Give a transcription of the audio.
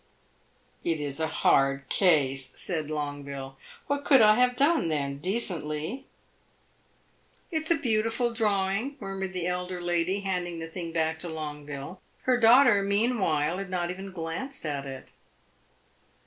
"It is a hard case!" said Longueville. "What could I have done, then, decently?" "It 's a beautiful drawing," murmured the elder lady, handing the thing back to Longueville. Her daughter, meanwhile, had not even glanced at it.